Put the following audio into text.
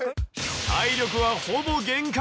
体力はほぼ限界。